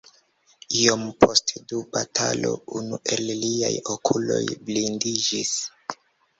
Iom poste dum batalo unu el liaj okuloj blindiĝis.